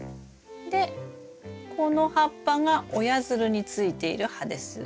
でこの葉っぱが親づるについている葉です。